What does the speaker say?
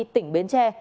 tỉnh bến tre